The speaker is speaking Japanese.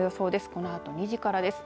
このあと２時からです。